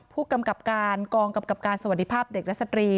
ผู้กำกับการกองกำกับการสวัสดีภาพเด็กและสตรี